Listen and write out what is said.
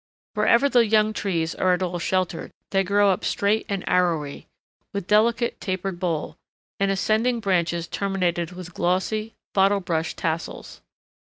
Wherever the young trees are at all sheltered, they grow up straight and arrowy, with delicately tapered bole, and ascending branches terminated with glossy, bottle brush tassels.